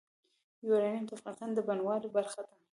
یورانیم د افغانستان د بڼوالۍ برخه ده.